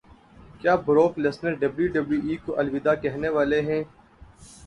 کیا Brock Lesnar W W E کو الوداع کہنے والے ہیں